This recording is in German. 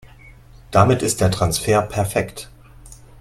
Damit ist der Transfer perfekt.